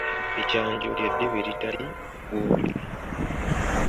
Ekyanjo ly’eddiba eritali ggwoole.